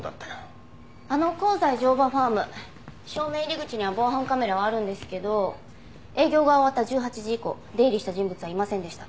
あの香西乗馬ファーム正面入り口には防犯カメラはあるんですけど営業が終わった１８時以降出入りした人物はいませんでした。